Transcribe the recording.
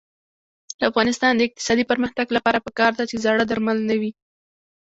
د افغانستان د اقتصادي پرمختګ لپاره پکار ده چې زاړه درمل نه وي.